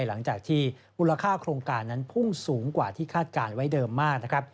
หลังจากที่มูลค่าโครงการนั้นพุ่งสูงกว่าที่คาดการณ์ไว้เดิมมากนะครับ